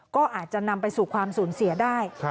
ก็อาจจะนำไปสู่ความสูญเสียได้